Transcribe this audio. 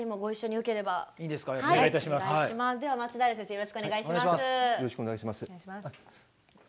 よろしくお願いします。